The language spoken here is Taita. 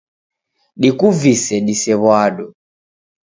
Dikuvise disew'ado.